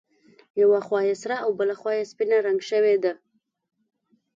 یوه خوا یې سره او بله خوا یې سپینه رنګ شوې ده.